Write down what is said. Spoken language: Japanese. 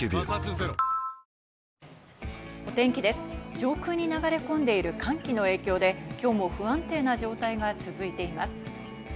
上空に流れ込んでいる寒気の影響で、今日も不安定な状態が続いています。